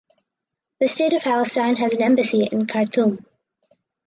The State of Palestine has an embassy in Khartoum.